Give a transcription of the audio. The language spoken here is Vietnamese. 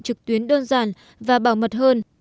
trực tuyến đơn giản và bảo mật hơn